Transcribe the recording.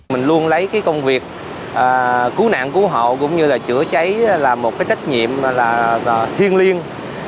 mình luôn lấy công việc cứu nạn cứu hộ cũng như chữa cháy là một trách nhiệm thiên liêng